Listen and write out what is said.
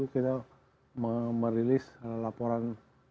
kita merilis laporan